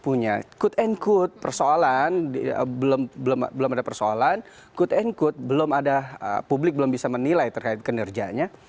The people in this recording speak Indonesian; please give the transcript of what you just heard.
punya could and could persoalan belum ada persoalan could and could belum ada publik belum bisa menilai terkait kinerjanya